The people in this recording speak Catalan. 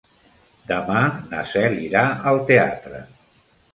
Demà na Cel irà al teatre.